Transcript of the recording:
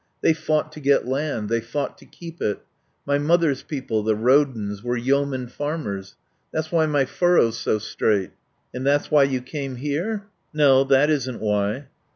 They fought to get land; they fought to keep it. My mother's people, the Rodens, were yeoman farmers. That's why my furrow's so straight." "And that's why you came here?" "No. That isn't why."